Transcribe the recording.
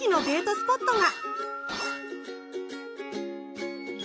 スポットが！